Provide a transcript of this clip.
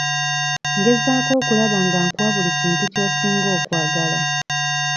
Ngezaako okulaba nga nkuwa buli kintu ky'osinga okwagala.